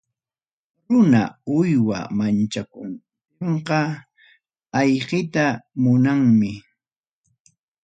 Runa, uywa manchakuptinqa, ayqiyta munanmi.